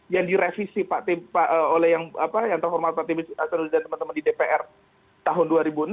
yang direvisi oleh yang terhormat pak tb dan teman teman di dpr tahun dua ribu enam